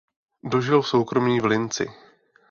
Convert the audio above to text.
Dožil v soukromí v Linci.